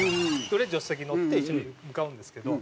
それ助手席に乗って一緒に向かうんですけど。